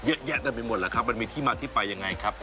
มันแยะกันไปหมดหรือครับมันมีที่มาที่ไปอย่างไรครับ